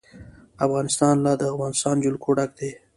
افغانستان له د افغانستان جلکو ډک دی.